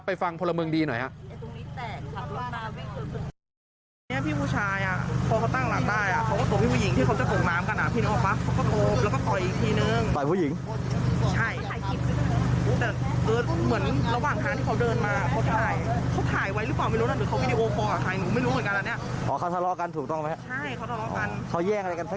ฟังพลเมืองดีหน่อยฮะ